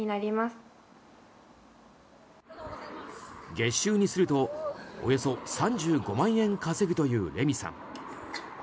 月収にするとおよそ３５万円稼ぐというれみさん。